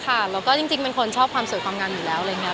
ก็น่ารักค่ะแล้วก็จริงเป็นคนชอบความสวยความงานอยู่แล้วเลยนะ